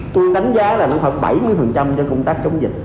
tôi đánh giá là nó phải bảy mươi cho công tác chống dịch